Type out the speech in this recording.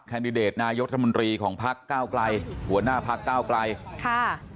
แคนดิเดตนายกธรรมดรีของพักก้าวไกลหัวหน้าพักก้าวไกลค่ะ